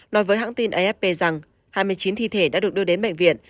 nói với hãng tin afp rằng hai mươi chín thi thể đã được đưa đến bệnh viện